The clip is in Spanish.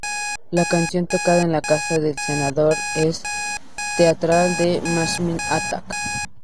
La canción tocada en la casa del senador es "Teardrop" de Massive Attack.